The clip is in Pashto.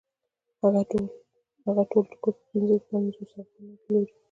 هغه خپل ټول ټوکر په پنځه پنځوس افغانیو پلوري